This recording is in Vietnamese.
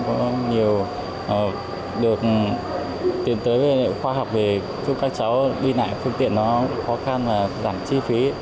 có nhiều được tiền tới khoa học để giúp các cháu đi lại phương tiện khó khăn và giảm chi phí